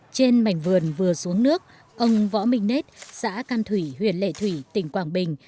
trên mảnh vườn vừa xuống nước ông võ minh nết xã can thủy huyện lệ thủy tỉnh quảng bình